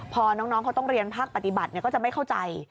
พอน้องเขาต้องเรียนภาคปฏิบัติก็จะไม่เข้าใจ